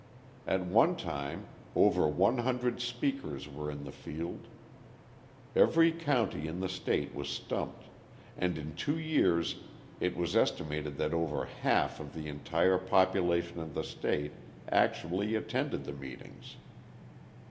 At one time over one hundred speakers were in the field. Every county in the state was stumped, and in two years it was estimated that over half of the entire population of the state actually attended the meetings.